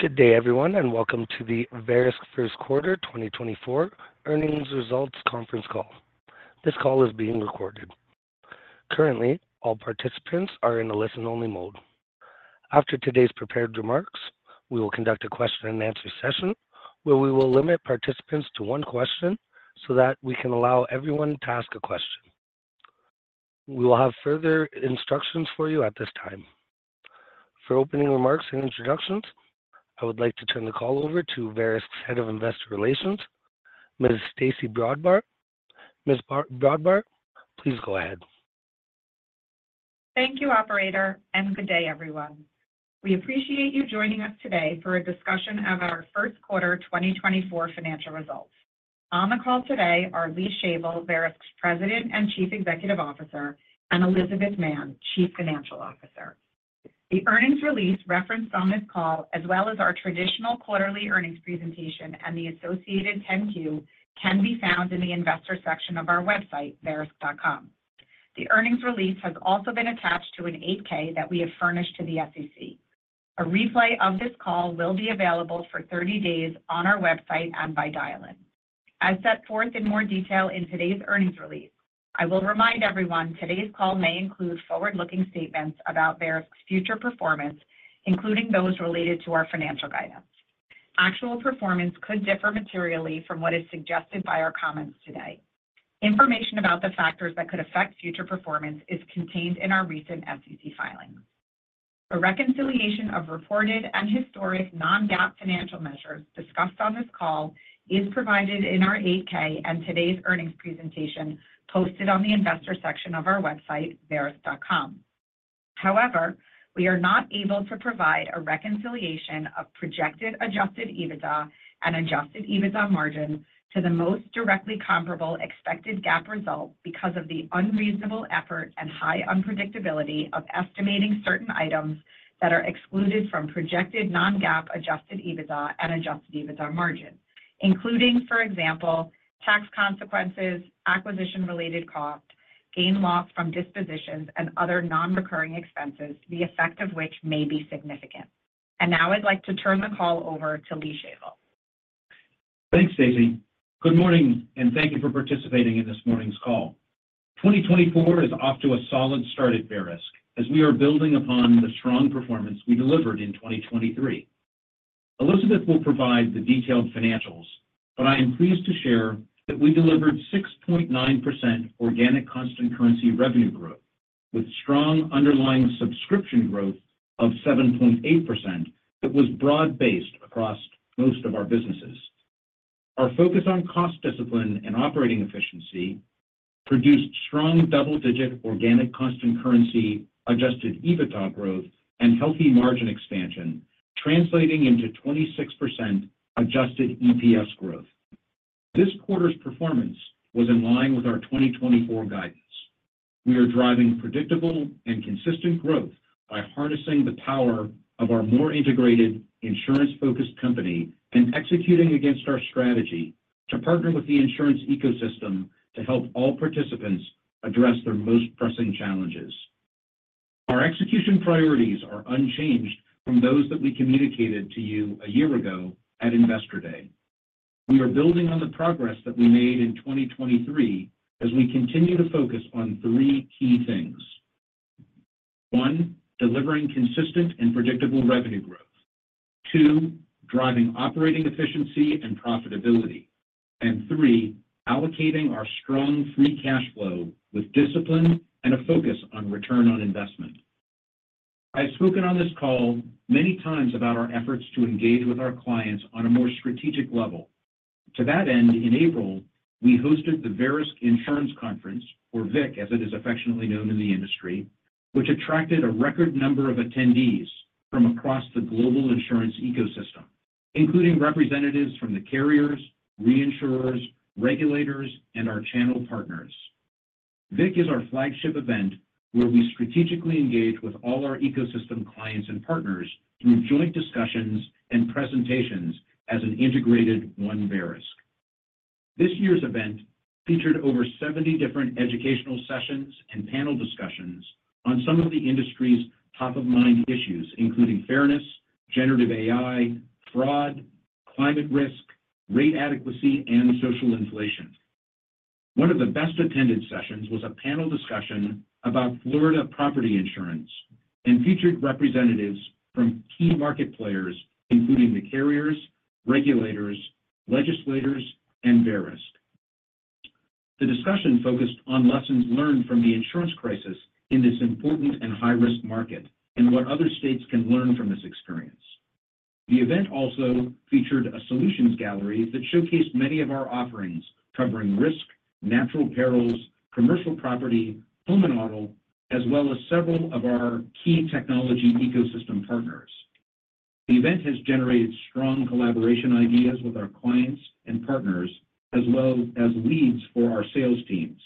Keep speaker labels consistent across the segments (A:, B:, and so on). A: Good day, everyone, and welcome to the Verisk First Quarter 2024 Earnings Results Conference Call. This call is being recorded. Currently, all participants are in a listen-only mode. After today's prepared remarks, we will conduct a question-and-answer session, where we will limit participants to one question so that we can allow everyone to ask a question. We will have further instructions for you at this time. For opening remarks and introductions, I would like to turn the call over to Verisk's Head of Investor Relations, Ms. Stacey Brodbar. Ms. Brodbar, please go ahead.
B: Thank you, Operator, and good day, everyone. We appreciate you joining us today for a discussion of our first quarter 2024 financial results. On the call today are Lee Shavel, Verisk's President and Chief Executive Officer, and Elizabeth Mann, Chief Financial Officer. The earnings release referenced on this call, as well as our traditional quarterly earnings presentation and the associated 10-Q, can be found in the investor section of our website, verisk.com. The earnings release has also been attached to an 8-K that we have furnished to the SEC. A replay of this call will be available for 30 days on our website and by dial-in. As set forth in more detail in today's earnings release, I will remind everyone, today's call may include forward-looking statements about Verisk's future performance, including those related to our financial guidance. Actual performance could differ materially from what is suggested by our comments today. Information about the factors that could affect future performance is contained in our recent SEC filings. A reconciliation of reported and historic non-GAAP financial measures discussed on this call is provided in our 8-K and today's earnings presentation, posted on the investor section of our website, verisk.com. However, we are not able to provide a reconciliation of projected Adjusted EBITDA and Adjusted EBITDA margin to the most directly comparable expected GAAP results because of the unreasonable effort and high unpredictability of estimating certain items that are excluded from projected non-GAAP Adjusted EBITDA and Adjusted EBITDA margin, including, for example, tax consequences, acquisition-related costs, gain loss from dispositions, and other non-recurring expenses, the effect of which may be significant. Now I'd like to turn the call over to Lee Shavel.
C: Thanks, Stacey. Good morning, and thank you for participating in this morning's call. 2024 is off to a solid start at Verisk as we are building upon the strong performance we delivered in 2023. Elizabeth will provide the detailed financials, but I am pleased to share that we delivered 6.9% organic constant currency revenue growth, with strong underlying subscription growth of 7.8% that was broad-based across most of our businesses. Our focus on cost discipline and operating efficiency produced strong double-digit organic constant currency Adjusted EBITDA growth and healthy margin expansion, translating into 26% Adjusted EPS growth. This quarter's performance was in line with our 2024 guidance. We are driving predictable and consistent growth by harnessing the power of our more integrated, insurance-focused company and executing against our strategy to partner with the insurance ecosystem to help all participants address their most pressing challenges. Our execution priorities are unchanged from those that we communicated to you a year ago at Investor Day. We are building on the progress that we made in 2023 as we continue to focus on three key things. One, delivering consistent and predictable revenue growth. Two, driving operating efficiency and profitability. And three, allocating our strong free cash flow with discipline and a focus on return on investment. I've spoken on this call many times about our efforts to engage with our clients on a more strategic level. To that end, in April, we hosted the Verisk Insurance Conference, or VIC, as it is affectionately known in the industry, which attracted a record number of attendees from across the global insurance ecosystem, including representatives from the carriers, reinsurers, regulators, and our channel partners. VIC is our flagship event where we strategically engage with all our ecosystem clients and partners through joint discussions and presentations as an integrated one Verisk. This year's event featured over 70 different educational sessions and panel discussions on some of the industry's top-of-mind issues, including fairness, Generative AI, fraud, climate risk, rate adequacy, and social inflation. One of the best attended sessions was a panel discussion about Florida property insurance and featured representatives from key market players, including the carriers, regulators, legislators, and Verisk. The discussion focused on lessons learned from the insurance crisis in this important and high-risk market and what other states can learn from this experience. The event also featured a solutions gallery that showcased many of our offerings covering risk, natural perils, commercial property, home and auto, as well as several of our key technology ecosystem partners. The event has generated strong collaboration ideas with our clients and partners, as well as leads for our sales teams.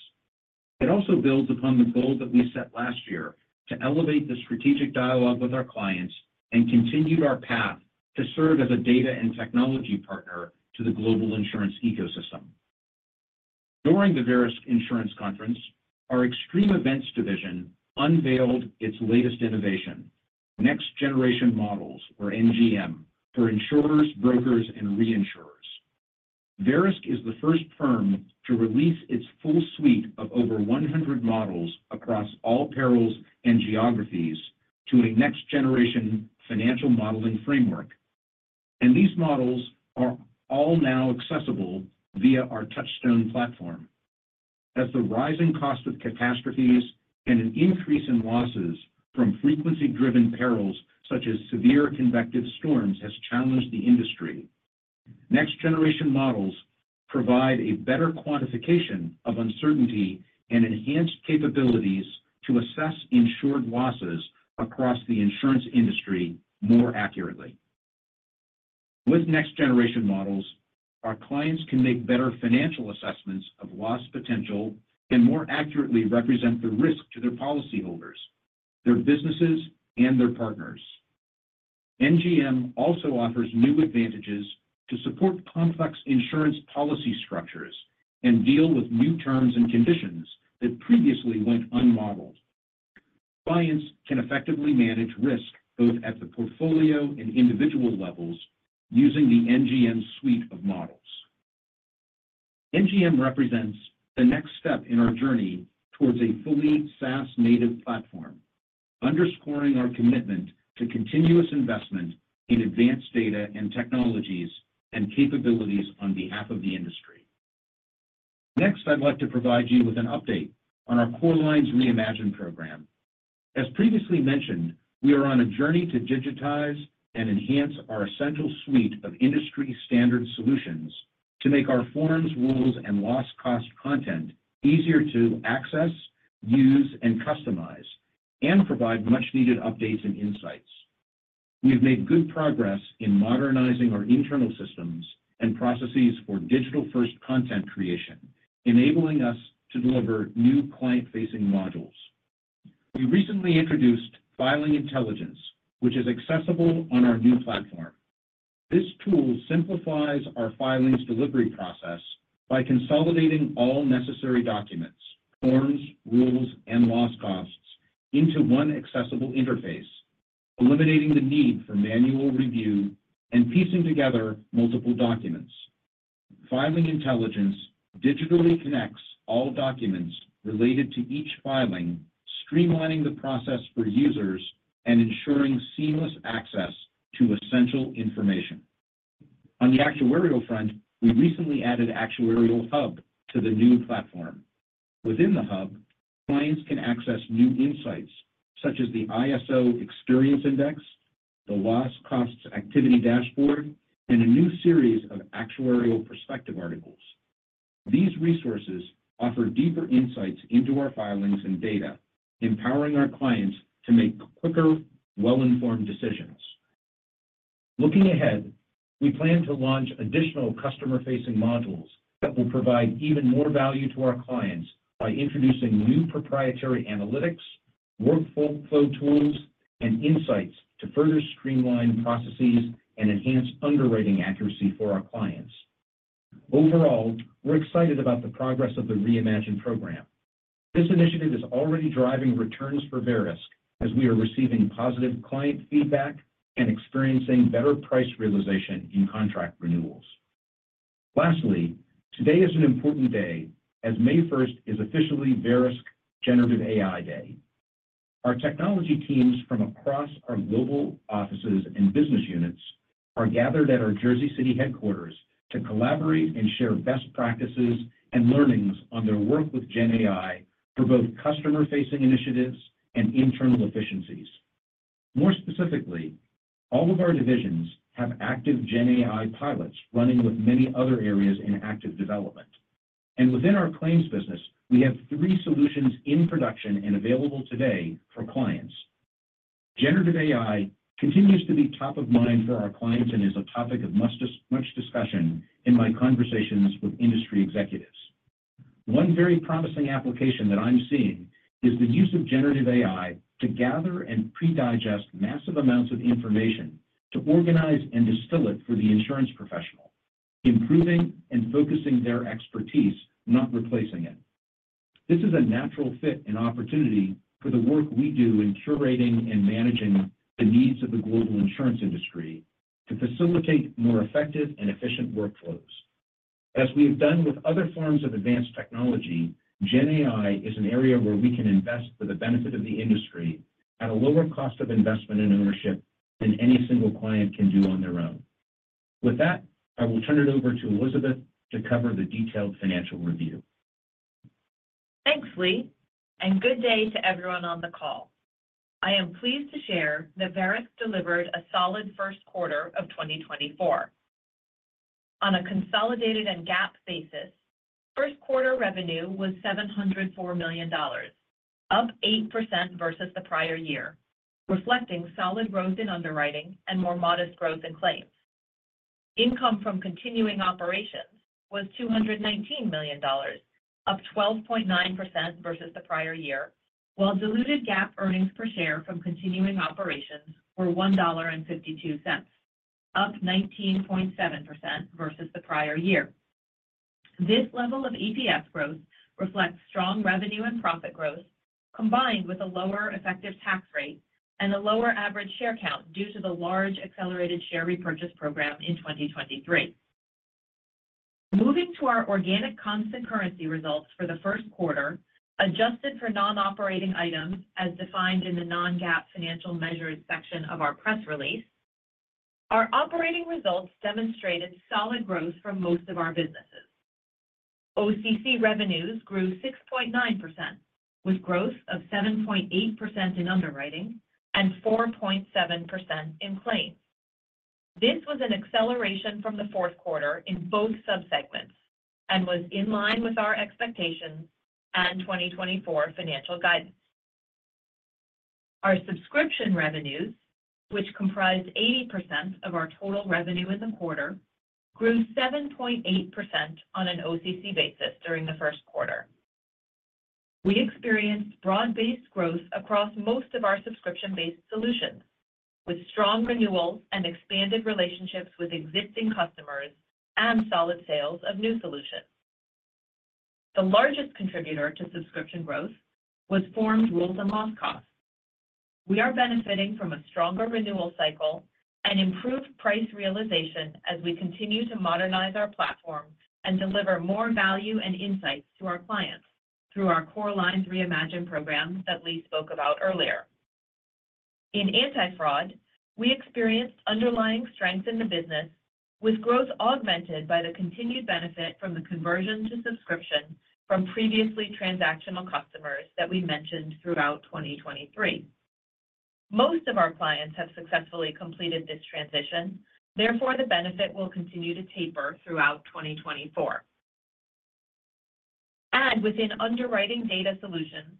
C: It also builds upon the goal that we set last year to elevate the strategic dialogue with our clients and continued our path to serve as a data and technology partner to the global insurance ecosystem. During the Verisk Insurance Conference, our Extreme Events division unveiled its latest innovation, Next Generation Models, or NGM, for insurers, brokers, and reinsurers. Verisk is the first firm to release its full suite of over 100 models across all perils and geographies to a Next Generation Models financial modeling framework, and these models are all now accessible via our Touchstone platform. As the rising cost of catastrophes and an increase in losses from frequency-driven perils, such as severe convective storms, has challenged the industry, Next Generation Models provide a better quantification of uncertainty and enhanced capabilities to assess insured losses across the insurance industry more accurately. With Next Generation Models, our clients can make better financial assessments of loss potential and more accurately represent the risk to their policyholders, their businesses, and their partners. NGM also offers new advantages to support complex insurance policy structures and deal with new terms and conditions that previously went unmodeled. Clients can effectively manage risk, both at the portfolio and individual levels, using the NGM suite of models. NGM represents the next step in our journey towards a fully SaaS native platform, underscoring our commitment to continuous investment in advanced data and technologies and capabilities on behalf of the industry. Next, I'd like to provide you with an update on our Core Lines Reimagined program. As previously mentioned, we are on a journey to digitize and enhance our essential suite of industry-standard solutions to make our forms, rules, and loss cost content easier to access, use, and customize, and provide much needed updates and insights. We've made good progress in modernizing our internal systems and processes for digital-first content creation, enabling us to deliver new client-facing modules. We recently introduced Filing Intelligence, which is accessible on our new platform. This tool simplifies our filings delivery process by consolidating all necessary documents, forms, rules, and loss costs into one accessible interface, eliminating the need for manual review and piecing together multiple documents. Filing Intelligence digitally connects all documents related to each filing, streamlining the process for users and ensuring seamless access to essential information. On the actuarial front, we recently added Actuarial Hub to the new platform. Within the hub, clients can access new insights, such as the ISO Experience Index, the Loss Costs Activity Dashboard, and a new series of actuarial perspective articles. These resources offer deeper insights into our filings and data, empowering our clients to make quicker, well-informed decisions. Looking ahead, we plan to launch additional customer-facing modules that will provide even more value to our clients by introducing new proprietary analytics, workflow tools, and insights to further streamline processes and enhance underwriting accuracy for our clients. Overall, we're excited about the progress of the Reimagined Program. This initiative is already driving returns for Verisk as we are receiving positive client feedback and experiencing better price realization in contract renewals. Lastly, today is an important day, as May first is officially Verisk Generative AI Day. Our technology teams from across our global offices and business units are gathered at our Jersey City headquarters to collaborate and share best practices and learnings on their work with GenAI for both customer-facing initiatives and internal efficiencies. More specifically, all of our divisions have active Gen AI pilots running with many other areas in active development. And within our claims business, we have three solutions in production and available today for clients. Generative AI continues to be top of mind for our clients and is a topic of much discussion in my conversations with industry executives. One very promising application that I'm seeing is the use of Generative AI to gather and pre-digest massive amounts of information, to organize and distill it for the insurance professional, improving and focusing their expertise, not replacing it. This is a natural fit and opportunity for the work we do in curating and managing the needs of the global insurance industry to facilitate more effective and efficient workflows. As we have done with other forms of advanced technology, GenAI is an area where we can invest for the benefit of the industry at a lower cost of investment and ownership than any single client can do on their own. With that, I will turn it over to Elizabeth to cover the detailed financial review.
D: Thanks, Lee, and good day to everyone on the call. I am pleased to share that Verisk delivered a solid first quarter of 2024. On a consolidated and GAAP basis, first quarter revenue was $704 million, up 8% versus the prior year, reflecting solid growth in underwriting and more modest growth in claims. Income from continuing operations was $219 million, up 12.9% versus the prior year, while diluted GAAP earnings per share from continuing operations were $1.52, up 19.7% versus the prior year. This level of EPS growth reflects strong revenue and profit growth, combined with a lower effective tax rate and a lower average share count due to the large accelerated share repurchase program in 2023. Moving to our organic constant currency results for the first quarter, adjusted for non-operating items, as defined in the non-GAAP financial measures section of our press release, our operating results demonstrated solid growth for most of our businesses. OCC revenues grew 6.9%, with growth of 7.8% in underwriting and 4.7% in claims. This was an acceleration from the fourth quarter in both subsegments and was in line with our expectations and 2024 financial guidance. Our subscription revenues, which comprised 80% of our total revenue in the quarter, grew 7.8% on an OCC basis during the first quarter. We experienced broad-based growth across most of our subscription-based solutions, with strong renewals and expanded relationships with existing customers and solid sales of new solutions. The largest contributor to subscription growth was forms, rules, and loss costs. We are benefiting from a stronger renewal cycle and improved price realization as we continue to modernize our platform and deliver more value and insights to our clients through our Core Lines Reimagined Program that Lee spoke about earlier. In Anti-fraud, we experienced underlying strength in the business, with growth augmented by the continued benefit from the conversion to subscription from previously transactional customers that we mentioned throughout 2023. Most of our clients have successfully completed this transition. Therefore, the benefit will continue to taper throughout 2024. Within underwriting data solutions,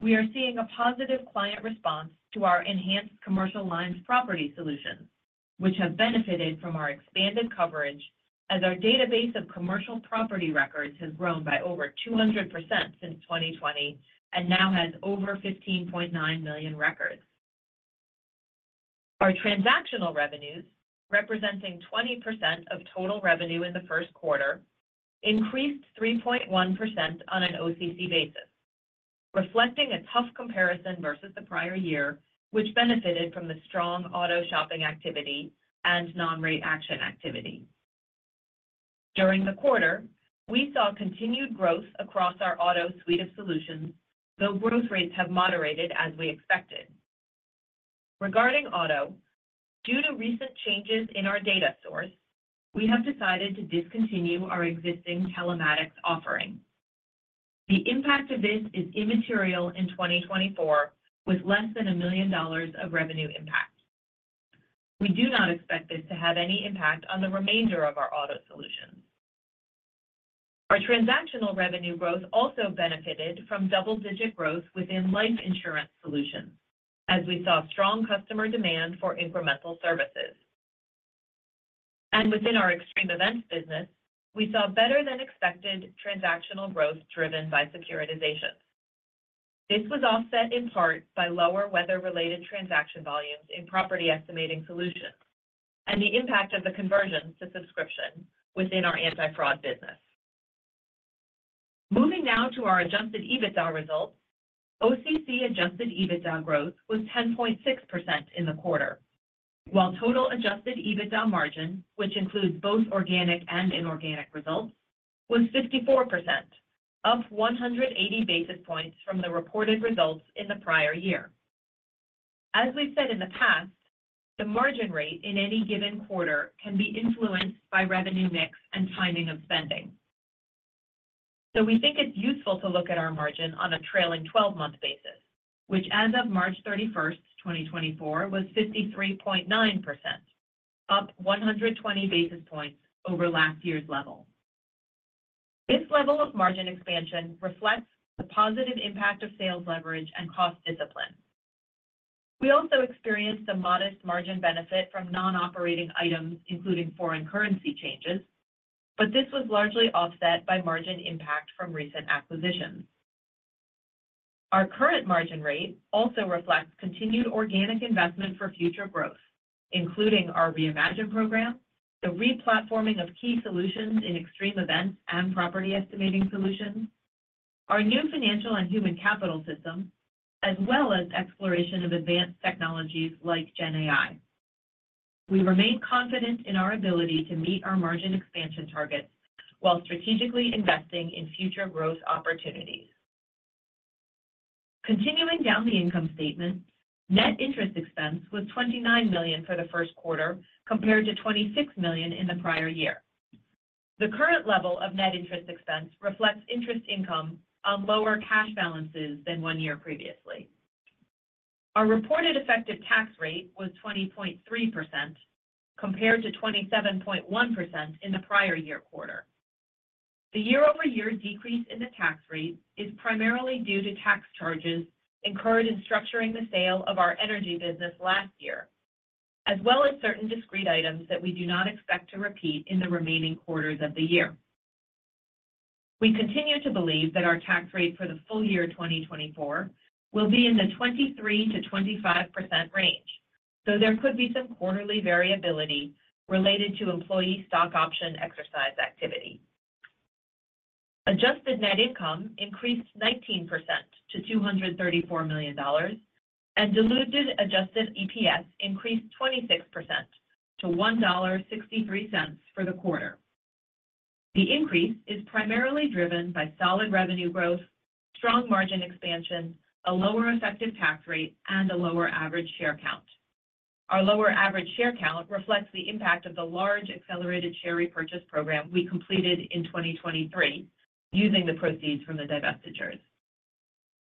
D: we are seeing a positive client response to our enhanced commercial lines property solutions, which have benefited from our expanded coverage as our database of commercial property records has grown by over 200% since 2020 and now has over 15.9 million records. Our transactional revenues, representing 20% of total revenue in the first quarter, increased 3.1% on an OCC basis, reflecting a tough comparison versus the prior year, which benefited from the strong auto shopping activity and non-rate action activity. During the quarter, we saw continued growth across our auto suite of solutions, though growth rates have moderated as we expected. Regarding auto, due to recent changes in our data source, we have decided to discontinue our existing telematics offering. The impact of this is immaterial in 2024, with less than $1 million of revenue impact. We do not expect this to have any impact on the remainder of our auto solutions. Our transactional revenue growth also benefited from double-digit growth within life insurance solutions as we saw strong customer demand for incremental services. Within our extreme events business, we saw better-than-expected transactional growth driven by securitizations. This was offset in part by lower weather-related transaction volumes in property estimating solutions and the impact of the conversion to subscription within our Anti-fraud business. Moving now to our adjusted EBITDA results, OCC adjusted EBITDA growth was 10.6% in the quarter, while total adjusted EBITDA margin, which includes both organic and inorganic results, was 54%, up 180 basis points from the reported results in the prior year. As we've said in the past, the margin rate in any given quarter can be influenced by revenue mix and timing of spending. So we think it's useful to look at our margin on a trailing twelve-month basis, which as of March 31, 2024, was 53.9%, up 120 basis points over last year's level. This level of margin expansion reflects the positive impact of sales leverage and cost discipline. We also experienced a modest margin benefit from non-operating items, including foreign currency changes, but this was largely offset by margin impact from recent acquisitions. Our current margin rate also reflects continued organic investment for future growth, including our Reimagined Program, the replatforming of key solutions in extreme events and property estimating solutions, our new financial and human capital system, as well as exploration of advanced technologies like GenAI. We remain confident in our ability to meet our margin expansion targets while strategically investing in future growth opportunities. Continuing down the income statement, net interest expense was $29 million for the first quarter, compared to $26 million in the prior year. The current level of net interest expense reflects interest income on lower cash balances than one year previously. Our reported effective tax rate was 20.3%, compared to 27.1% in the prior year quarter. The year-over-year decrease in the tax rate is primarily due to tax charges incurred in structuring the sale of our energy business last year, as well as certain discrete items that we do not expect to repeat in the remaining quarters of the year.... We continue to believe that our tax rate for the full year 2024 will be in the 23%-25% range, so there could be some quarterly variability related to employee stock option exercise activity. Adjusted net income increased 19% to $234 million, and diluted adjusted EPS increased 26% to $1.63 for the quarter. The increase is primarily driven by solid revenue growth, strong margin expansion, a lower effective tax rate, and a lower average share count. Our lower average share count reflects the impact of the large Accelerated Share Repurchase program we completed in 2023, using the proceeds from the divestitures.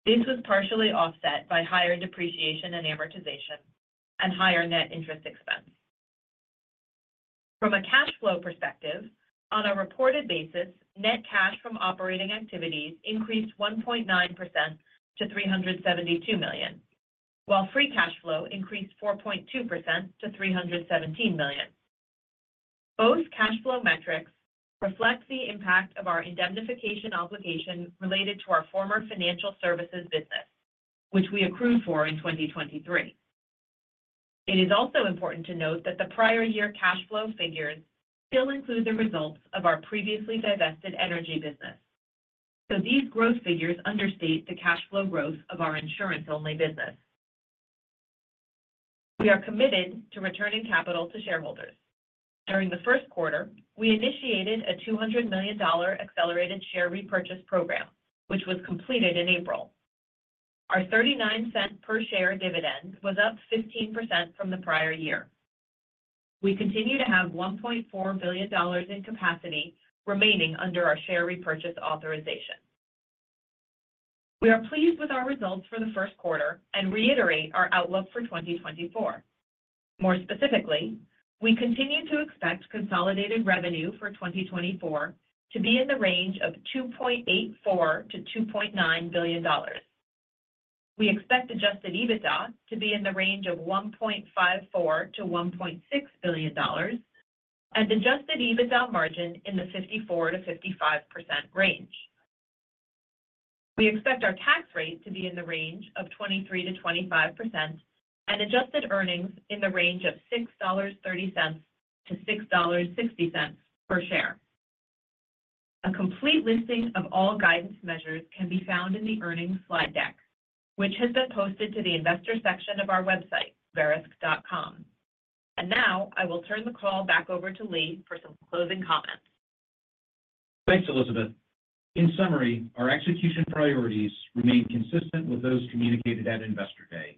D: This was partially offset by higher depreciation and amortization and higher net interest expense. From a cash flow perspective, on a reported basis, net cash from operating activities increased 1.9% to $372 million, while free cash flow increased 4.2% to $317 million. Both cash flow metrics reflect the impact of our indemnification obligation related to our former financial services business, which we accrued for in 2023. It is also important to note that the prior year cash flow figures still include the results of our previously divested energy business. So these growth figures understate the cash flow growth of our insurance-only business. We are committed to returning capital to shareholders. During the first quarter, we initiated a $200 million accelerated share repurchase program, which was completed in April. Our $0.39 per share dividend was up 15% from the prior year. We continue to have $1.4 billion in capacity remaining under our share repurchase authorization. We are pleased with our results for the first quarter and reiterate our outlook for 2024. More specifically, we continue to expect consolidated revenue for 2024 to be in the range of $2.84 billion-$2.9 billion. We expect adjusted EBITDA to be in the range of $1.54 billion-$1.6 billion, and adjusted EBITDA margin in the 54%-55% range. We expect our tax rate to be in the range of 23%-25%, and adjusted earnings in the range of $6.30-$6.60 per share. A complete listing of all guidance measures can be found in the earnings slide deck, which has been posted to the investor section of our website, Verisk.com. Now I will turn the call back over to Lee for some closing comments.
C: Thanks, Elizabeth. In summary, our execution priorities remain consistent with those communicated at Investor Day.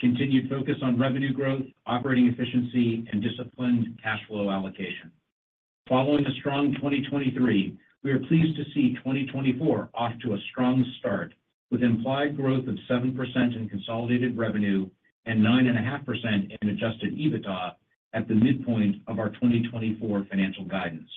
C: Continued focus on revenue growth, operating efficiency, and disciplined cash flow allocation. Following a strong 2023, we are pleased to see 2024 off to a strong start, with implied growth of 7% in consolidated revenue and 9.5% in adjusted EBITDA at the midpoint of our 2024 financial guidance.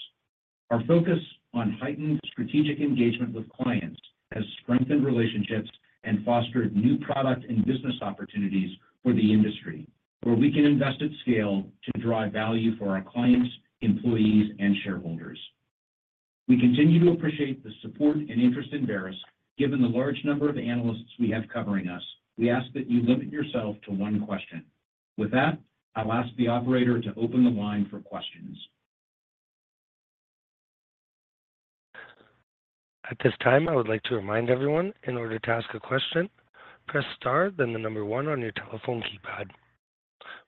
C: Our focus on heightened strategic engagement with clients has strengthened relationships and fostered new product and business opportunities for the industry, where we can invest at scale to drive value for our clients, employees, and shareholders. We continue to appreciate the support and interest in Verisk. Given the large number of analysts we have covering us, we ask that you limit yourself to one question. With that, I'll ask the operator to open the line for questions.
A: At this time, I would like to remind everyone, in order to ask a question, press star, then the number one on your telephone keypad.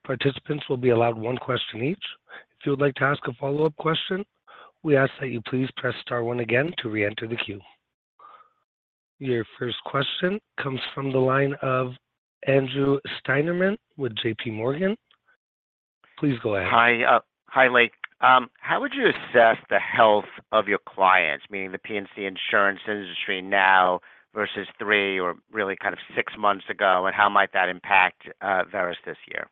A: Participants will be allowed one question each. If you would like to ask a follow-up question, we ask that you please press star one again to reenter the queue. Your first question comes from the line of Andrew Steinerman with JPMorgan. Please go ahead.
E: Hi. Hi, Lee. How would you assess the health of your clients, meaning the P&C insurance industry now versus three or really kind of six months ago, and how might that impact Verisk this year?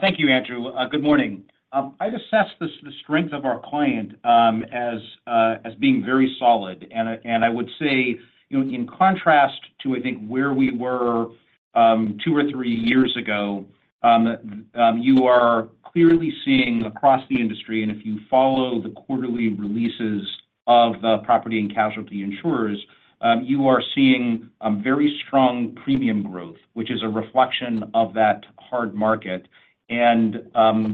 C: Thank you, Andrew. Good morning. I'd assess the strength of our client as being very solid. I would say, you know, in contrast to, I think, where we were two or three years ago, you are clearly seeing across the industry, and if you follow the quarterly releases of the property and casualty insurers, you are seeing a very strong premium growth, which is a reflection of that hard market and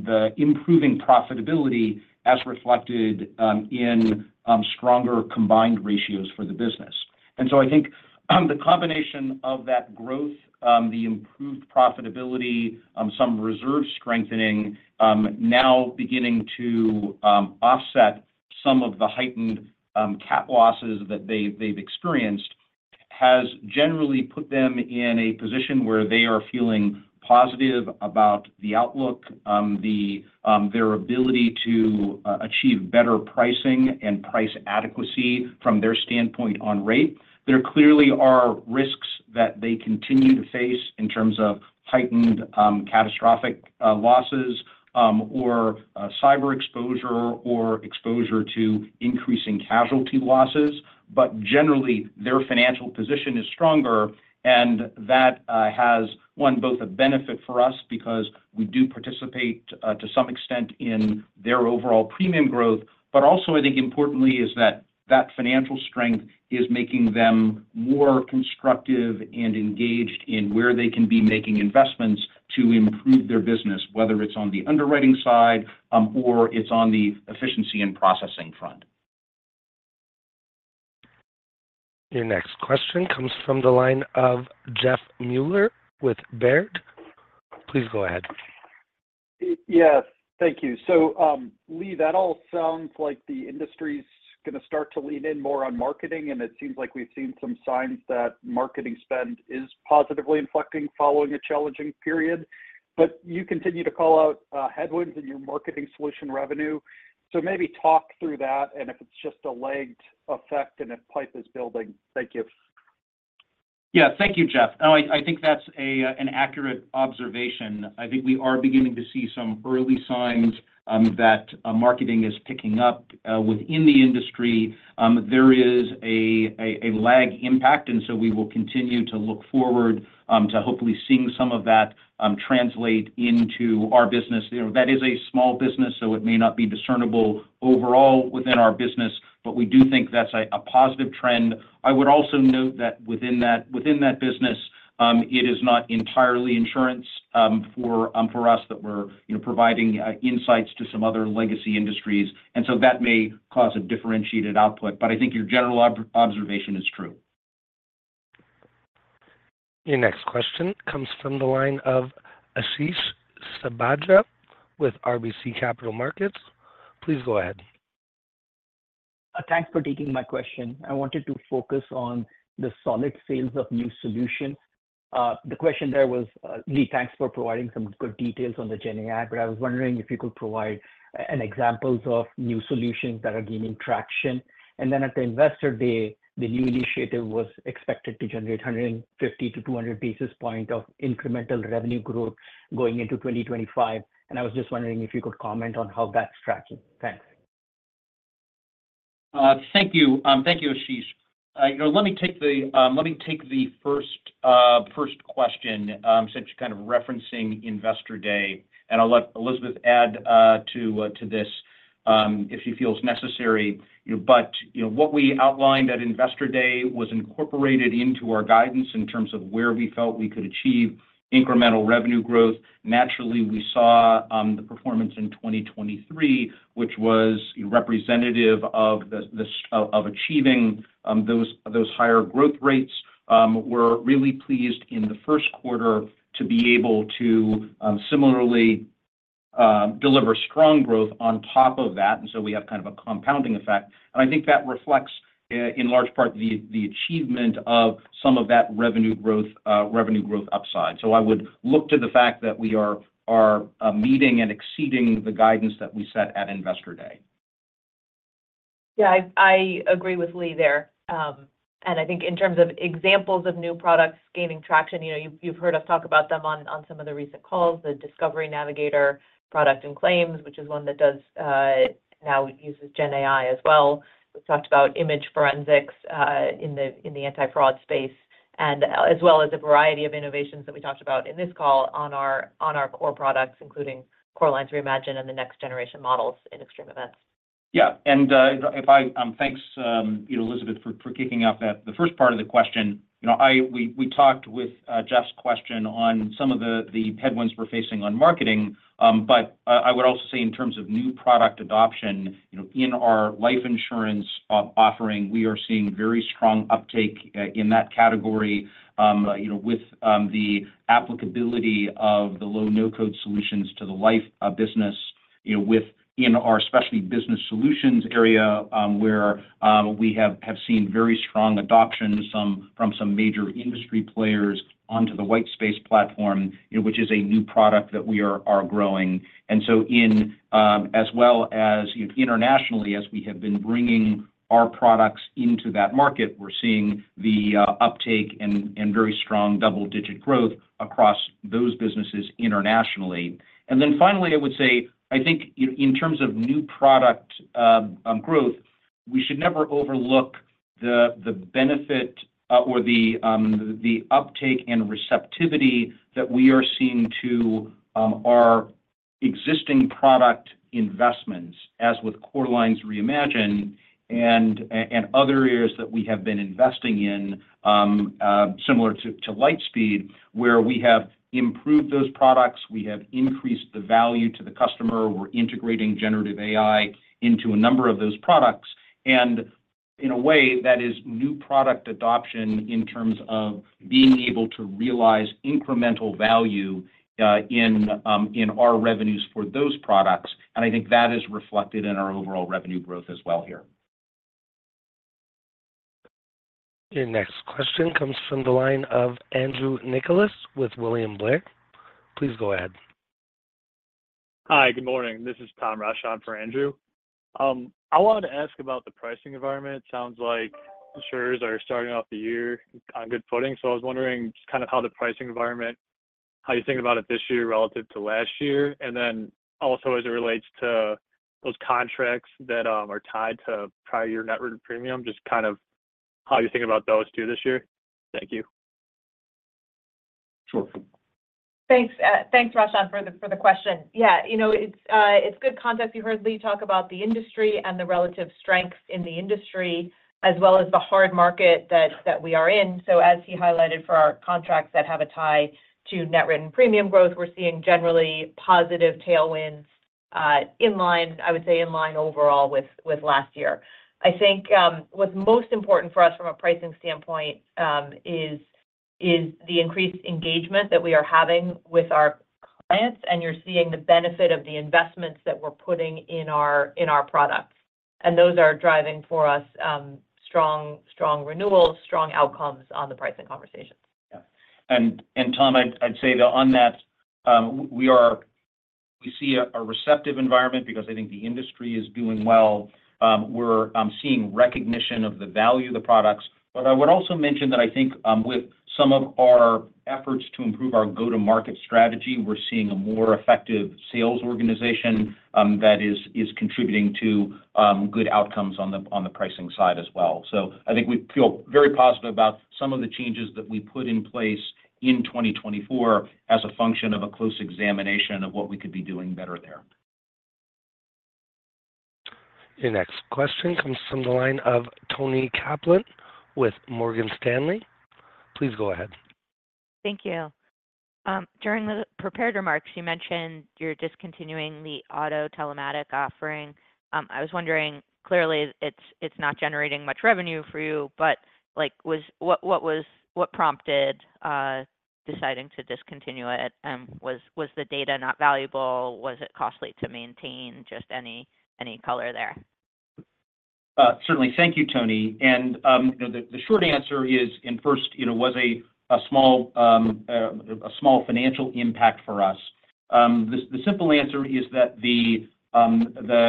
C: the improving profitability as reflected in stronger combined ratios for the business. So I think the combination of that growth, the improved profitability, some reserve strengthening now beginning to offset some of the heightened cat losses that they've experienced has generally put them in a position where they are feeling positive about the outlook, their ability to achieve better pricing and price adequacy from their standpoint on rate. There clearly are risks that they continue to face in terms of heightened catastrophic losses, or cyber exposure, or exposure to increasing casualty losses. But generally, their financial position is stronger, and that has won both a benefit for us because we do participate to some extent in their overall premium growth. But also, I think importantly, is that that financial strength is making them more constructive and engaged in where they can be making investments to improve their business, whether it's on the underwriting side, or it's on the efficiency and processing front.
A: Your next question comes from the line of Jeff Meuler with Baird. Please go ahead.
F: Yes, thank you. So, Lee, that all sounds like the industry's gonna start to lean in more on marketing, and it seems like we've seen some signs that marketing spend is positively inflecting following a challenging period. But you continue to call out headwinds in your marketing solution revenue. So maybe talk through that and if it's just a lagged effect and if pipe is building. Thank you.
C: Yeah. Thank you, Jeff. No, I think that's an accurate observation. I think we are beginning to see some early signs that marketing is picking up within the industry. There is a lag impact, and so we will continue to look forward to hopefully seeing some of that translate into our business. You know, that is a small business, so it may not be discernible overall within our business, but we do think that's a positive trend. I would also note that within that business, it is not entirely insurance for us that we're, you know, providing insights to some other legacy industries, and so that may cause a differentiated output. But I think your general observation is true.
A: Your next question comes from the line of Ashish Sabadra with RBC Capital Markets. Please go ahead.
G: Thanks for taking my question. I wanted to focus on the solid sales of new solutions. The question there was. Lee, thanks for providing some good details on the GenAI, but I was wondering if you could provide an examples of new solutions that are gaining traction. And then at the Investor Day, the new initiative was expected to generate 150-200 basis point of incremental revenue growth going into 2025, and I was just wondering if you could comment on how that's tracking. Thanks.
C: Thank you. Thank you, Ashish. You know, let me take the first question, since you're kind of referencing Investor Day, and I'll let Elizabeth add to this, if she feels necessary. You know, but you know, what we outlined at Investor Day was incorporated into our guidance in terms of where we felt we could achieve incremental revenue growth. Naturally, we saw the performance in 2023, which was representative of achieving those higher growth rates. We're really pleased in the first quarter to be able to similarly deliver strong growth on top of that, and so we have kind of a compounding effect.I think that reflects, in large part, the achievement of some of that revenue growth upside. I would look to the fact that we are meeting and exceeding the guidance that we set at Investor Day.
D: Yeah, I agree with Lee there. And I think in terms of examples of new products gaining traction, you know, you've heard us talk about them on some of the recent calls, the Discovery Navigator product and claims, which is one that does now uses GenAI as well. We've talked about Image Forensics in the Anti-fraud space, and as well as a variety of innovations that we talked about in this call on our core products, including Core Lines Reimagined and the next generation models in Extreme Events.
C: Yeah, and thanks, you know, Elizabeth for kicking off that. The first part of the question, you know, we talked with Jeff's question on some of the headwinds we're facing on marketing. But I would also say in terms of new product adoption, you know, in our life insurance offering, we are seeing very strong uptake in that category, you know, with the applicability of the low/no-code solutions to the life business, you know, in our specialty business solutions area, where we have seen very strong adoption from some major industry players onto the Whitespace Platform, you know, which is a new product that we are growing. And so, as well as, you know, internationally, as we have been bringing our products into that market, we're seeing the uptake and very strong double-digit growth across those businesses internationally. And then finally, I would say, I think in terms of new product growth, we should never overlook the benefit or the uptake and receptivity that we are seeing to our existing product investments, as with Core Lines Reimagined and other areas that we have been investing in, similar to LightSpeed, where we have improved those products, we have increased the value to the customer. We're integrating Generative AI into a number of those products, and in a way, that is new product adoption in terms of being able to realize incremental value in our revenues for those products, and I think that is reflected in our overall revenue growth as well here.
A: Your next question comes from the line of Andrew Nicholas with William Blair. Please go ahead.
H: Hi, good morning. This is Tom Ross for Andrew. I wanted to ask about the pricing environment. Sounds like insurers are starting off the year on good footing. So I was wondering just kind of how the pricing environment, how you think about it this year relative to last year, and then also as it relates to those contracts that are tied to prior year net written premium, just kind of how you think about those two this year? Thank you.
C: Sure.
D: Thanks, Ross, for the question. Yeah, you know, it's good context. You heard Lee talk about the industry and the relative strengths in the industry, as well as the hard market that we are in. So as he highlighted for our contracts that have a tie to net written premium growth, we're seeing generally positive tailwinds, in line I would say in line overall with last year. I think, what's most important for us from a pricing standpoint, is the increased engagement that we are having with our clients, and you're seeing the benefit of the investments that we're putting in our products. And those are driving for us, strong renewals, strong outcomes on the pricing conversations.
C: Yeah. And Tom, I'd say that on that, we see a receptive environment because I think the industry is doing well. We're seeing recognition of the value of the products. But I would also mention that I think, with some of our efforts to improve our go-to-market strategy, we're seeing a more effective sales organization, that is contributing to good outcomes on the pricing side as well. So I think we feel very positive about some of the changes that we put in place in 2024 as a function of a close examination of what we could be doing better there.
A: Your next question comes from the line of Toni Kaplan with Morgan Stanley. Please go ahead.
I: Thank you. During the prepared remarks, you mentioned you're discontinuing the auto telematics offering. I was wondering, clearly, it's not generating much revenue for you, but, like, what prompted deciding to discontinue it? Was the data not valuable? Was it costly to maintain? Just any color there.
C: Certainly. Thank you, Toni. And, you know, the short answer is, and first, you know, was a small financial impact for us. The simple answer is that the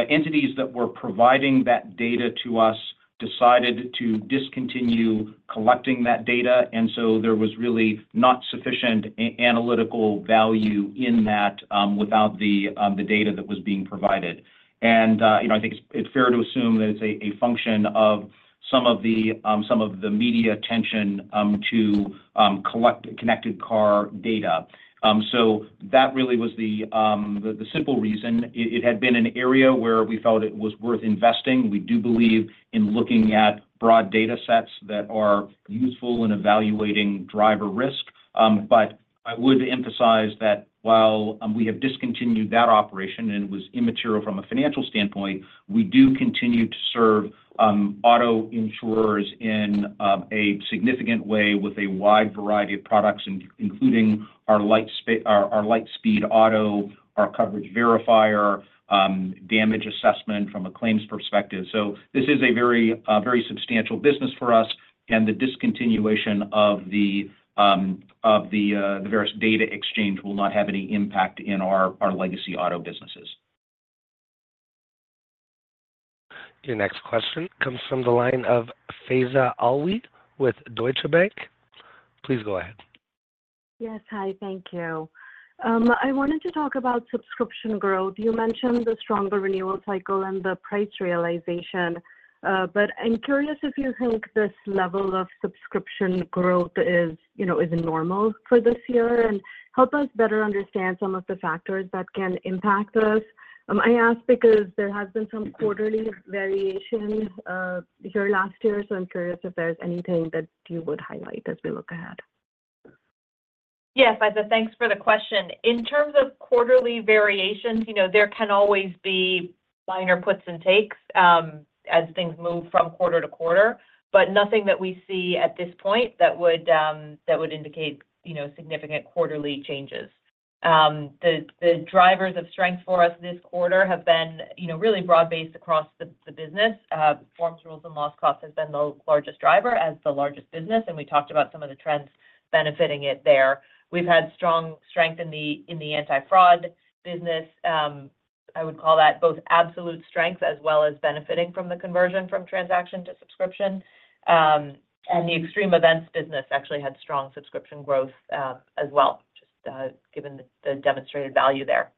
C: entities that were providing that data to us decided to discontinue collecting that data, and so there was really not sufficient analytical value in that, without the data that was being provided. And, you know, I think it's fair to assume that it's a function of some of the media attention to collect connected car data. So that really was the simple reason. It had been an area where we felt it was worth investing. We do believe in looking at broad data sets that are useful in evaluating driver risk. But I would emphasize that while we have discontinued that operation, and it was immaterial from a financial standpoint, we do continue to serve auto insurers in a significant way with a wide variety of products, including our LightSpeed Auto, our Coverage Verifier, damage assessment from a claims perspective. So this is a very, very substantial business for us, and the discontinuation of the Verisk Data Exchange will not have any impact in our legacy auto businesses.
A: Your next question comes from the line of Faiza Alwy with Deutsche Bank. Please go ahead.
J: Yes. Hi, thank you. I wanted to talk about subscription growth. You mentioned the stronger renewal cycle and the price realization, but I'm curious if you think this level of subscription growth is, you know, is normal for this year? And help us better understand some of the factors that can impact this. I ask because there has been some quarterly variation here last year, so I'm curious if there's anything that you would highlight as we look ahead.
D: Yes, Faiza, thanks for the question. In terms of quarterly variations, you know, there can always be minor puts and takes as things move from quarter to quarter, but nothing that we see at this point that would, that would indicate, you know, significant quarterly changes. The drivers of strength for us this quarter have been, you know, really broad-based across the business. Forms, rules, and loss cost has been the largest driver as the largest business, and we talked about some of the trends benefiting it there. We've had strong strength in the Anti-fraud business. I would call that both absolute strength as well as benefiting from the conversion from transaction to subscription. And the extreme events business actually had strong subscription growth as well, just given the demonstrated value there.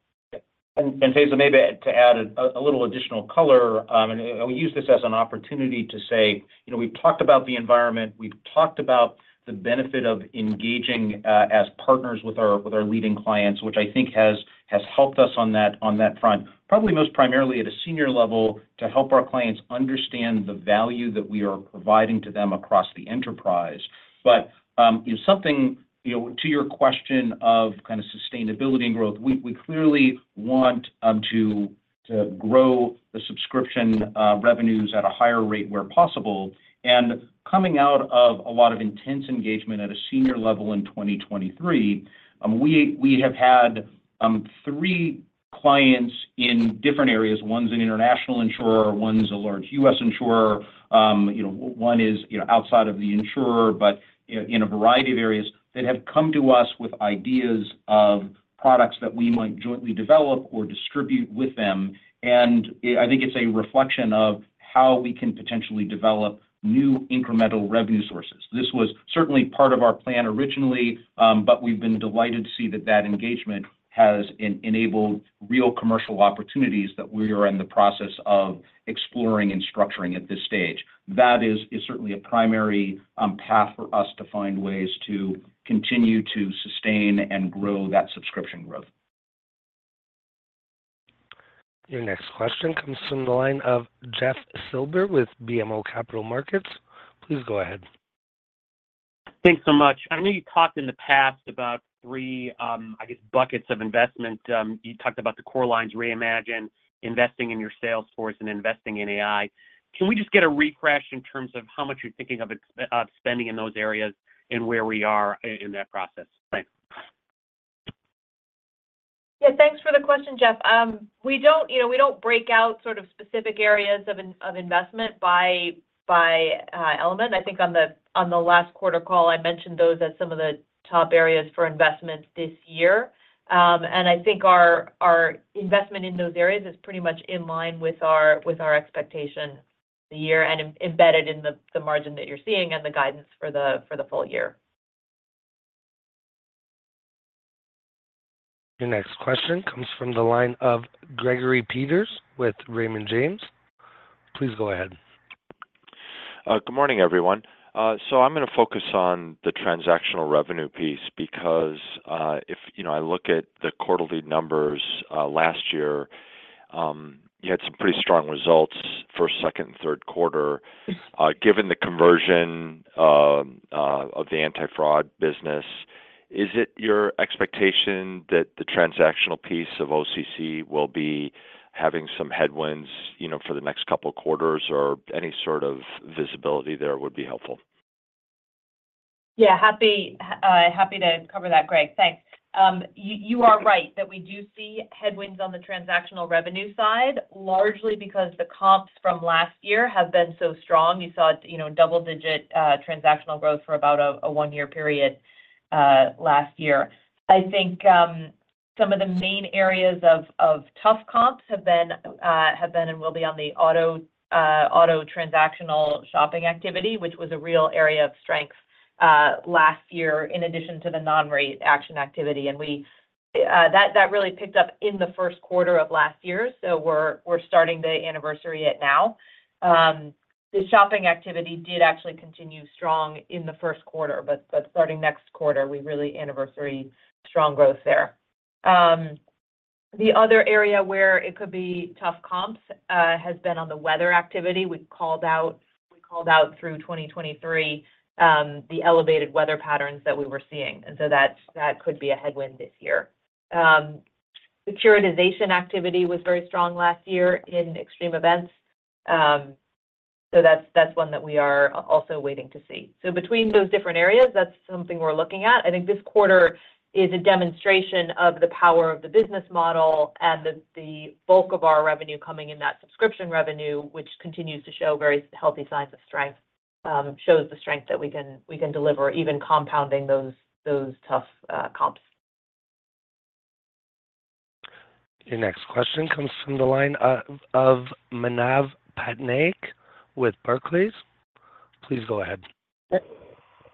C: And, Faiza, maybe to add a little additional color, and we use this as an opportunity to say, you know, we've talked about the environment, we've talked about the benefit of engaging as partners with our leading clients, which I think has helped us on that front. Probably most primarily at a senior level, to help our clients understand the value that we are providing to them across the enterprise. But if something, you know, to your question of kind of sustainability and growth, we clearly want to grow the subscription revenues at a higher rate where possible. Coming out of a lot of intense engagement at a senior level in 2023, we have had three clients in different areas, one's an international insurer, one's a large U.S. insurer, you know, one is, you know, outside of the insurer, but in a variety of areas, that have come to us with ideas of products that we might jointly develop or distribute with them. I think it's a reflection of how we can potentially develop new incremental revenue sources. This was certainly part of our plan originally, but we've been delighted to see that that engagement has enabled real commercial opportunities that we are in the process of exploring and structuring at this stage. That is certainly a primary path for us to find ways to continue to sustain and grow that subscription growth.
A: Your next question comes from the line of Jeff Silber with BMO Capital Markets. Please go ahead.
K: Thanks so much. I know you talked in the past about three, I guess, buckets of investment. You talked about the Core Lines Reimagine, investing in your sales force, and investing in AI. Can we just get a refresh in terms of how much you're thinking of spending in those areas and where we are in that process? Thanks.
D: Yeah, thanks for the question, Jeff. We don't, you know, we don't break out sort of specific areas of investment by element. I think on the last quarter call, I mentioned those as some of the top areas for investments this year. And I think our investment in those areas is pretty much in line with our expectation the year, and embedded in the margin that you're seeing and the guidance for the full year.
A: Your next question comes from the line of Gregory Peters with Raymond James. Please go ahead.
L: Good morning, everyone. So I'm gonna focus on the transactional revenue piece, because, if, you know, I look at the quarterly numbers, last year, you had some pretty strong results for second and third quarter. Given the conversion, of the Anti-fraud business, is it your expectation that the transactional piece of OCC will be having some headwinds, you know, for the next couple quarters, or any sort of visibility there would be helpful?
D: Yeah, happy to cover that, Greg. Thanks. You are right that we do see headwinds on the transactional revenue side, largely because the comps from last year have been so strong. You saw, you know, double-digit transactional growth for about a one-year period last year. I think, some of the main areas of tough comps have been and will be on the auto transactional shopping activity, which was a real area of strength last year, in addition to the non-rate action activity. That really picked up in the first quarter of last year, so we're starting to anniversary it now. The shopping activity did actually continue strong in the first quarter, but starting next quarter, we really anniversary strong growth there. The other area where it could be tough comps has been on the weather activity. We called out, we called out through 2023, the elevated weather patterns that we were seeing, and so that's that could be a headwind this year. The securitization activity was very strong last year in extreme events, so that's one that we are also waiting to see. So between those different areas, that's something we're looking at. I think this quarter is a demonstration of the power of the business model and the bulk of our revenue coming in, that subscription revenue, which continues to show very healthy signs of strength, shows the strength that we can deliver, even compounding those tough comps.
A: Your next question comes from the line of Manav Patnaik with Barclays. Please go ahead.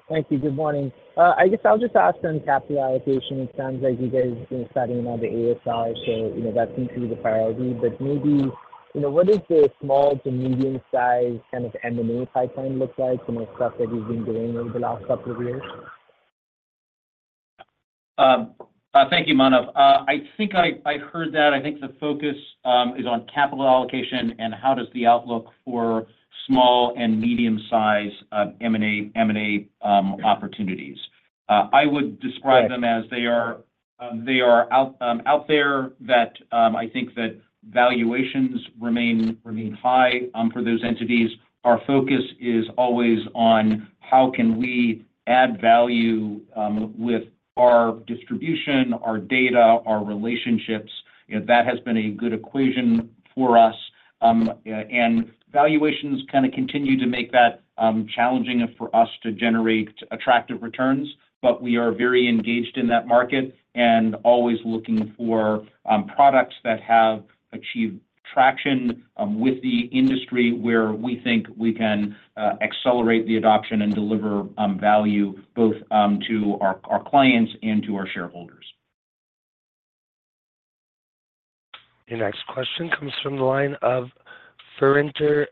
M: Thank you. Good morning. I guess I'll just ask on capital allocation. It sounds like you guys have been spending on the ASR, so, you know, that seems to be the priority, but maybe, you know, what is the small to medium-sized kind of M&A pipeline look like, some of the stuff that you've been doing over the last couple of years?
C: Thank you, Manav. I think I heard that. I think the focus is on capital allocation and how does the outlook for small and medium-sized M&A opportunities. I would describe-
M: Right
C: ...them as they are, they are out there, that I think that valuations remain high for those entities. Our focus is always on how can we add value with our distribution, our data, our relationships. You know, that has been a good equation for us. And valuations kind of continue to make that challenging for us to generate attractive returns, but we are very engaged in that market and always looking for products that have achieved traction with the industry, where we think we can accelerate the adoption and deliver value both to our clients and to our shareholders.
A: Your next question comes from the line of Surinder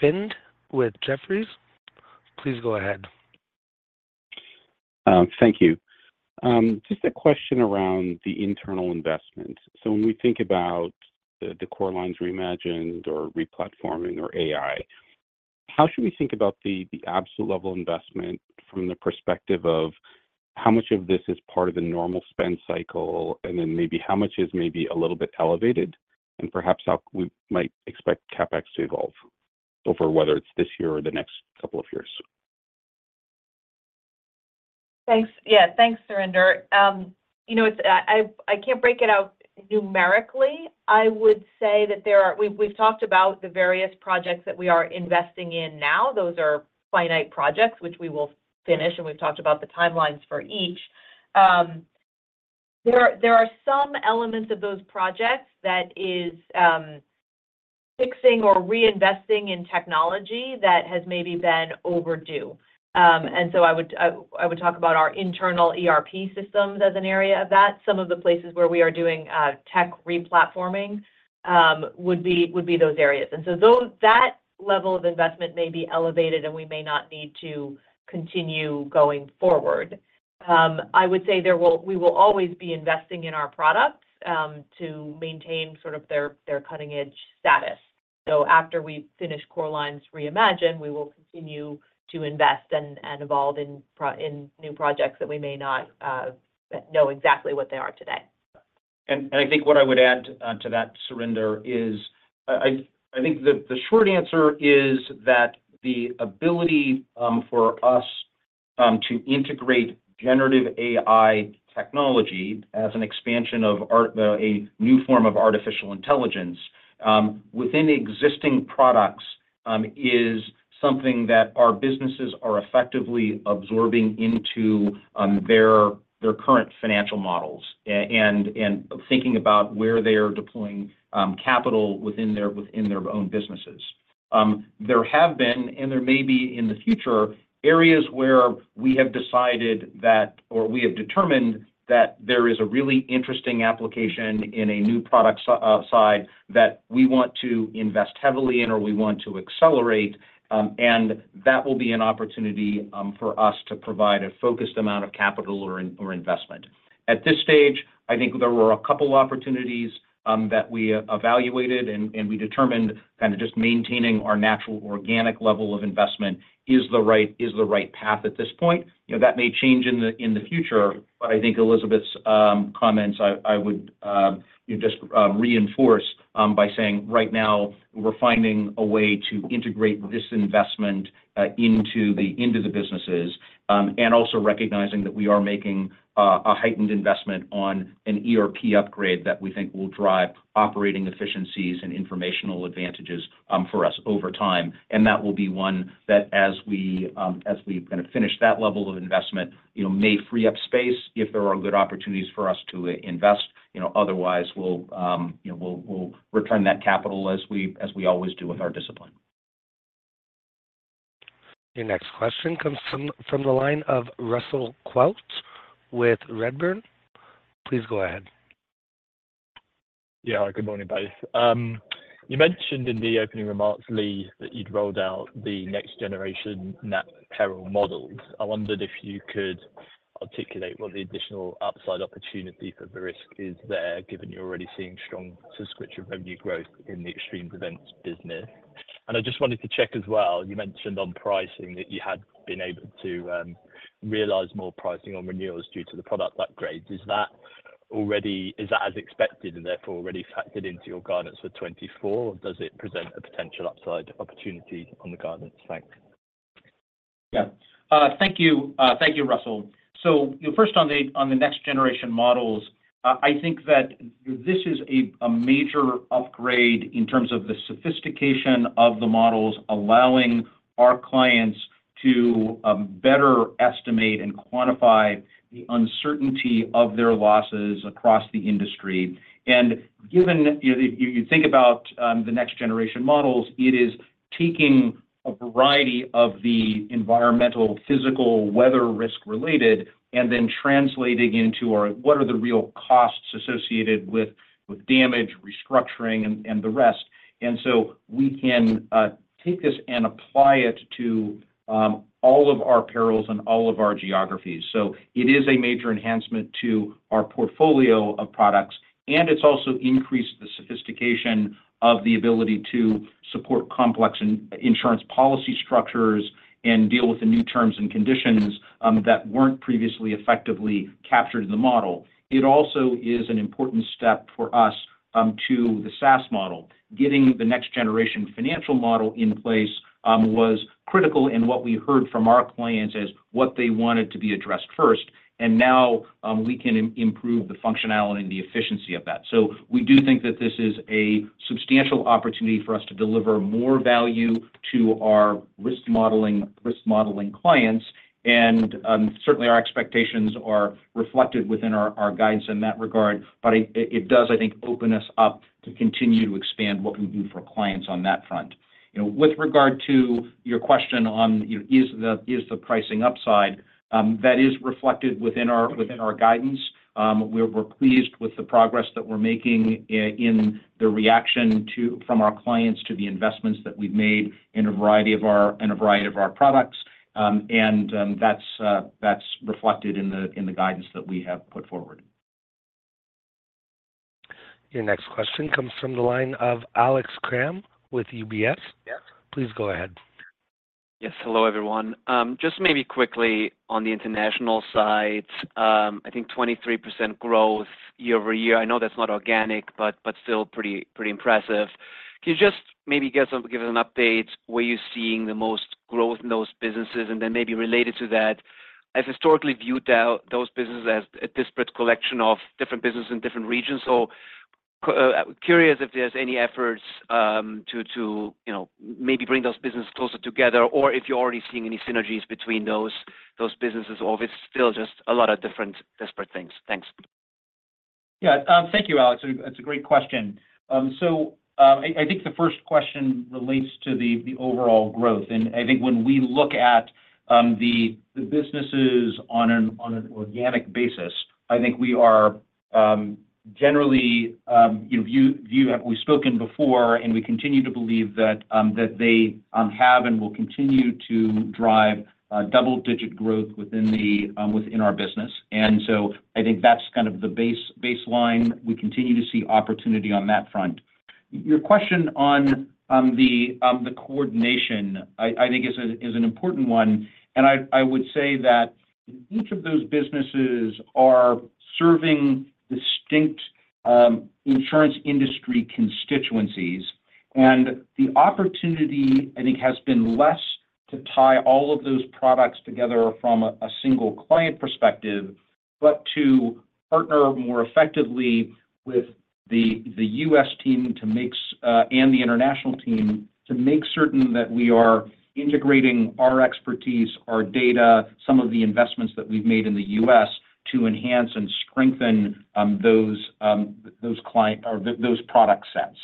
A: Thind with Jefferies. Please go ahead.
N: Thank you. Just a question around the internal investment. So when we think about the, the Core Lines Reimagined or Replatforming or AI, how should we think about the, the absolute level investment from the perspective of how much of this is part of the normal spend cycle, and then maybe how much is maybe a little bit elevated, and perhaps how we might expect CapEx to evolve over, whether it's this year or the next couple of years?
D: Thanks. Yeah, thanks, Surinder. You know, it's I can't break it out numerically. I would say that there are—We've talked about the various projects that we are investing in now. Those are finite projects, which we will finish, and we've talked about the timelines for each. There are some elements of those projects that is fixing or reinvesting in technology that has maybe been overdue. And so I would talk about our internal ERP systems as an area of that. Some of the places where we are doing tech replatforming would be those areas. And so those that level of investment may be elevated, and we may not need to continue going forward. I would say we will always be investing in our products to maintain sort of their cutting-edge status. So after we finish Core Lines Reimagined, we will continue to invest and evolve in new projects that we may not know exactly what they are today.
C: I think what I would add to that, Surinder, is I think the short answer is that the ability for us to integrate Generative AI technology as an expansion of our tech, a new form of artificial intelligence, within existing products, is something that our businesses are effectively absorbing into their current financial models and thinking about where they are deploying capital within their own businesses. There have been, and there may be in the future, areas where we have decided that or we have determined that there is a really interesting application in a new product side that we want to invest heavily in or we want to accelerate, and that will be an opportunity for us to provide a focused amount of capital or investment. At this stage, I think there were a couple opportunities that we evaluated and we determined kind of just maintaining our natural organic level of investment is the right, is the right path at this point. You know, that may change in the, in the future, but I think Elizabeth's comments, I would, you know, just reinforce by saying right now we're finding a way to integrate this investment into the, into the businesses, and also recognizing that we are making a heightened investment on an ERP upgrade that we think will drive operating efficiencies and informational advantages for us over time. And that will be one that as we kind of finish that level of investment, you know, may free up space if there are good opportunities for us to invest. You know, otherwise, we'll, you know, we'll return that capital as we always do with our discipline.
A: Your next question comes from the line of Russell Quelch with Redburn. Please go ahead.
O: Yeah. Good morning, guys. You mentioned in the opening remarks, Lee, that you'd rolled out the Next Generation Nat Peril models. I wondered if you could articulate what the additional upside opportunity for the risk is there, given you're already seeing strong subscription revenue growth in the extreme events business. And I just wanted to check as well, you mentioned on pricing that you had been able to realize more pricing on renewals due to the product upgrades. Is that already is that as expected and therefore already factored into your guidance for 2024, or does it present a potential upside opportunity on the guidance? Thanks.
C: Yeah. Thank you. Thank you, Russell. So, you know, first on the Next Generation Models, I think that this is a major upgrade in terms of the sophistication of the models, allowing our clients to better estimate and quantify the uncertainty of their losses across the industry. And given, If you think about the Next Generation Models, it is taking a variety of the environmental, physical, weather risk related, and then translating into our what are the real costs associated with damage, restructuring, and the rest. And so we can take this and apply it to all of our perils and all of our geographies. So it is a major enhancement to our portfolio of products, and it's also increased the sophistication of the ability to support complex insurance policy structures and deal with the new terms and conditions that weren't previously effectively captured in the model. It also is an important step for us to the SaaS model. Getting the next generation financial model in place was critical in what we heard from our clients as what they wanted to be addressed first, and now we can improve the functionality and the efficiency of that. So we do think that this is a substantial opportunity for us to deliver more value to our risk modeling, risk modeling clients, and certainly our expectations are reflected within our, our guidance in that regard. But it does, I think, open us up to continue to expand what we do for clients on that front. You know, with regard to your question on, you know, is the pricing upside that is reflected within our guidance. We're pleased with the progress that we're making in the reaction from our clients to the investments that we've made in a variety of our products. And that's reflected in the guidance that we have put forward.
A: Your next question comes from the line of Alex Kramm with UBS.
C: Yeah.
A: Please go ahead.
P: Yes. Hello, everyone. Just maybe quickly on the international side, I think 23% growth year-over-year, I know that's not organic, but, but still pretty, pretty impressive. Can you just maybe give us, give us an update where you're seeing the most growth in those businesses? And then maybe related to that, I've historically viewed out those businesses as a disparate collection of different businesses in different regions. So curious if there's any efforts, to, to, you know, maybe bring those businesses closer together or if you're already seeing any synergies between those, those businesses, or if it's still just a lot of different disparate things. Thanks.
C: Yeah. Thank you, Alex. That's a great question. So, I think the first question relates to the overall growth, and I think when we look at the businesses on an organic basis, I think we are generally, you know, we've spoken before, and we continue to believe that they have and will continue to drive double digit growth within our business. And so I think that's kind of the baseline. We continue to see opportunity on that front. Your question on the coordination, I think is an important one, and I would say that each of those businesses are serving distinct insurance industry constituencies. The opportunity, I think, has been less to tie all of those products together from a single client perspective, but to partner more effectively with the U.S. team and the international team, to make certain that we are integrating our expertise, our data, some of the investments that we've made in the U.S. to enhance and strengthen those client or those product sets.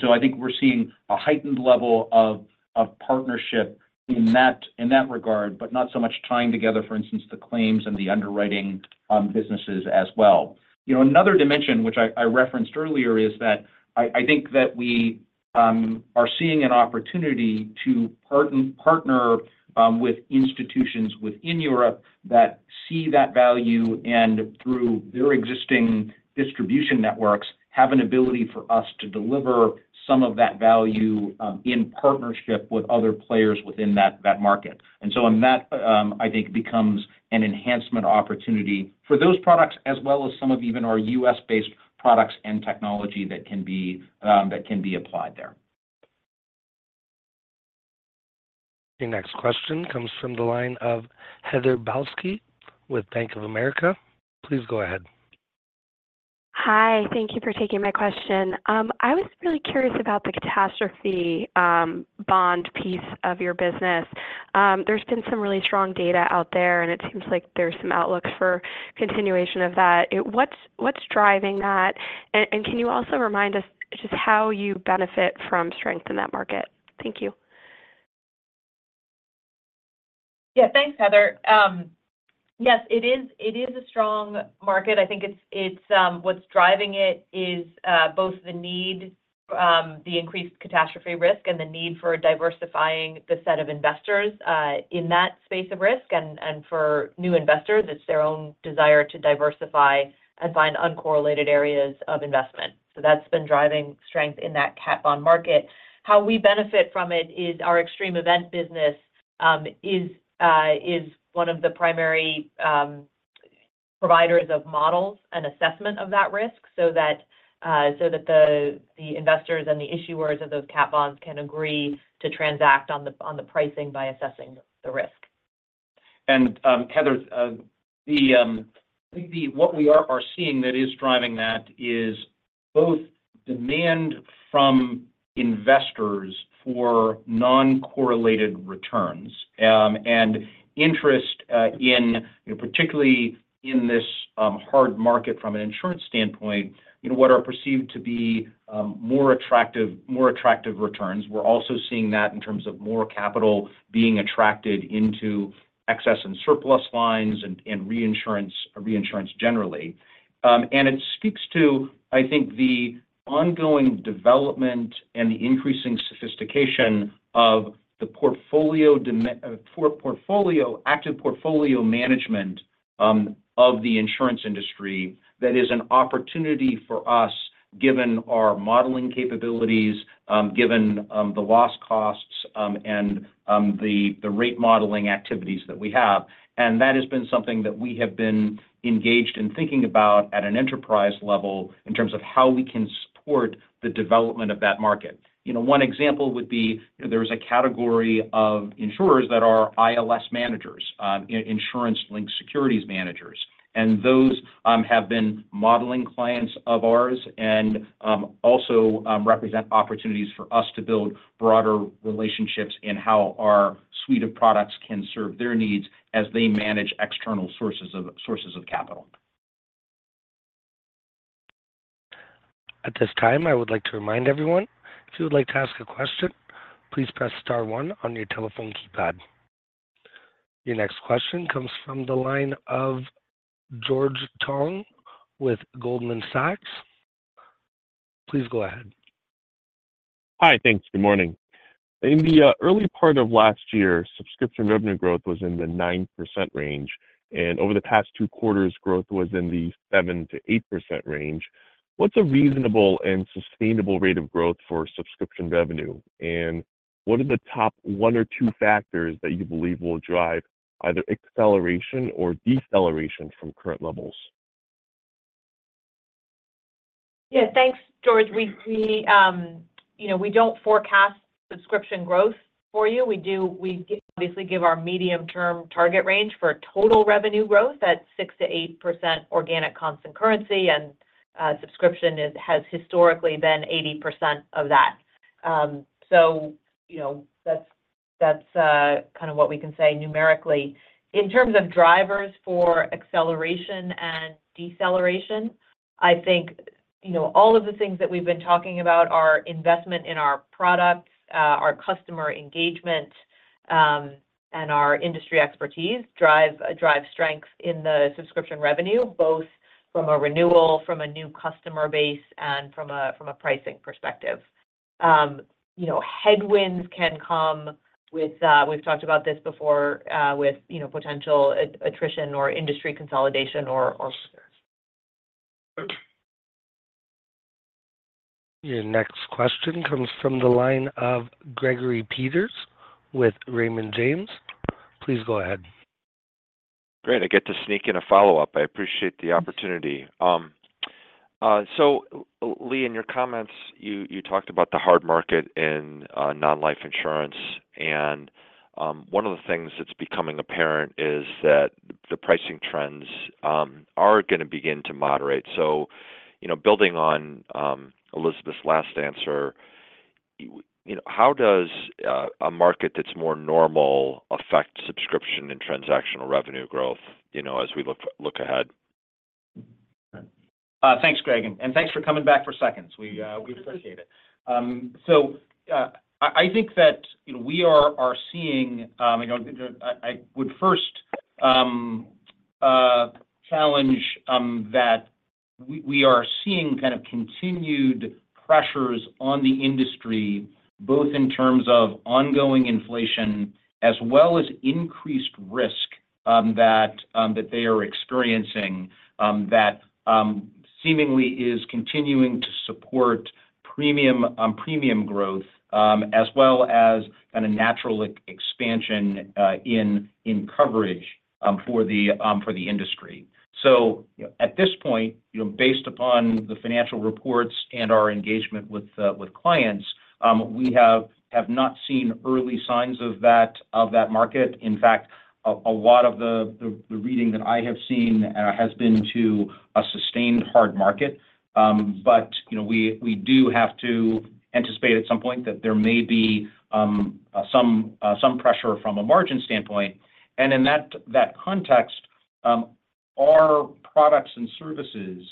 C: So I think we're seeing a heightened level of partnership in that regard, but not so much tying together, for instance, the claims and the underwriting businesses as well. You know, another dimension which I referenced earlier is that I think that we are seeing an opportunity to partner with institutions within Europe that see that value, and through their existing distribution networks, have an ability for us to deliver some of that value in partnership with other players within that market. So on that, I think becomes an enhancement opportunity for those products, as well as some of even our US-based products and technology that can be applied there.
A: Your next question comes from the line of Heather Balsky with Bank of America. Please go ahead.
Q: Hi, thank you for taking my question. I was really curious about the catastrophe bond piece of your business. There's been some really strong data out there, and it seems like there's some outlook for continuation of that. What's driving that? And can you also remind us just how you benefit from strength in that market? Thank you.
D: Yeah, thanks, Heather. Yes, it is, it is a strong market. I think it's, it's... What's driving it is both the need, the increased catastrophe risk and the need for diversifying the set of investors, in that space of risk. And, for new investors, it's their own desire to diversify and find uncorrelated areas of investment. So that's been driving strength in that cat bond market. How we benefit from it is our extreme event business, is one of the primary providers of models and assessment of that risk, so that the investors and the issuers of those cat bonds can agree to transact on the pricing by assessing the risk.
C: Heather, I think what we are seeing that is driving that is both demand from investors for non-correlated returns, and interest, in, particularly in this, hard market from an insurance standpoint, you know, what are perceived to be, more attractive returns. We're also seeing that in terms of more capital being attracted into excess and surplus lines and reinsurance generally. It speaks to, I think, the ongoing development and the increasing sophistication of the portfolio, active portfolio management, of the insurance industry. That is an opportunity for us, given our modeling capabilities, given the loss costs, and the rate modeling activities that we have. That has been something that we have been engaged in thinking about at an enterprise level in terms of how we can support the development of that market. You know, one example would be, there is a category of insurers that are ILS managers, insurance-linked securities managers, and those have been modeling clients of ours, and also represent opportunities for us to build broader relationships in how our suite of products can serve their needs as they manage external sources of capital.
A: At this time, I would like to remind everyone, if you would like to ask a question, please press star one on your telephone keypad. Your next question comes from the line of George Tong with Goldman Sachs. Please go ahead.
R: Hi. Thanks. Good morning. In the early part of last year, subscription revenue growth was in the 9% range, and over the past two quarters, growth was in the 7%-8% range. What's a reasonable and sustainable rate of growth for subscription revenue? And what are the top one or two factors that you believe will drive either acceleration or deceleration from current levels?
D: Yeah, thanks, George. You know, we don't forecast subscription growth for you. We do, we obviously give our medium-term target range for total revenue growth at 6%-8% organic constant currency, and subscription has historically been 80% of that. So you know, that's kind of what we can say numerically. In terms of drivers for acceleration and deceleration, I think you know, all of the things that we've been talking about, our investment in our products, our customer engagement, and our industry expertise drive strength in the subscription revenue, both from a renewal, from a new customer base, and from a pricing perspective. You know, headwinds can come with. We've talked about this before with you know, potential attrition or industry consolidation or
A: Your next question comes from the line of Gregory Peters with Raymond James. Please go ahead.
L: Great, I get to sneak in a follow-up. I appreciate the opportunity. So, Lee, in your comments, you talked about the hard market in non-life insurance. One of the things that's becoming apparent is that the pricing trends are gonna begin to moderate. So, you know, building on Elizabeth's last answer, you know, how does a market that's more normal affect subscription and transactional revenue growth, you know, as we look ahead?
C: Thanks, Greg, and thanks for coming back for seconds. We appreciate it. So, I think that, you know, we are seeing... You know, I would first challenge that we are seeing kind of continued pressures on the industry, both in terms of ongoing inflation as well as increased risk that they are experiencing that seemingly is continuing to support premium growth as well as kind of natural expansion in coverage for the industry. So at this point, you know, based upon the financial reports and our engagement with clients, we have not seen early signs of that market. In fact, a lot of the reading that I have seen has been to a sustained hard market. But you know, we do have to anticipate at some point that there may be some pressure from a margin standpoint. In that context, our products and services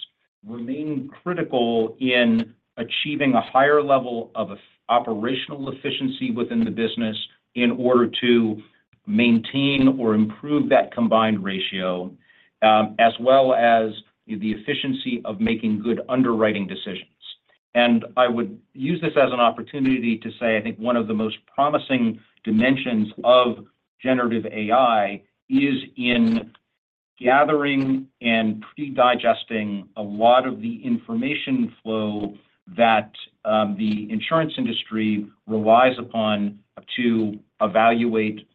C: remain critical in achieving a higher level of operational efficiency within the business in order to maintain or improve that Combined Ratio, as well as the efficiency of making good underwriting decisions. I would use this as an opportunity to say, I think one of the most promising dimensions of generative AI is in gathering and pre-digesting a lot of the information flow that the insurance industry relies upon to evaluate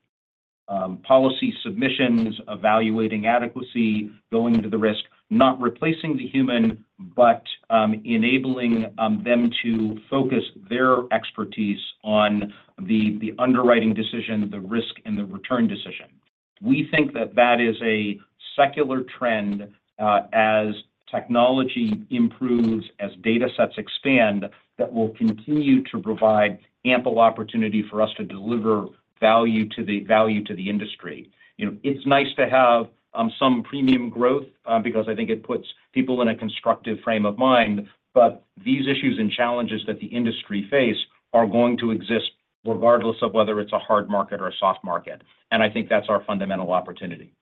C: policy submissions, evaluating adequacy, going into the risk, not replacing the human, but enabling them to focus their expertise on the underwriting decision, the risk, and the return decision. We think that that is a secular trend, as technology improves, as data sets expand, that will continue to provide ample opportunity for us to deliver value to the industry. You know, it's nice to have some premium growth, because I think it puts people in a constructive frame of mind, but these issues and challenges that the industry face are going to exist regardless of whether it's a hard market or a soft market, and I think that's our fundamental opportunity.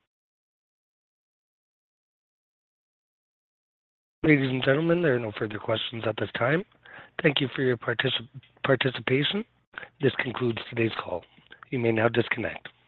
A: Ladies and gentlemen, there are no further questions at this time. Thank you for your participation. This concludes today's call. You may now disconnect.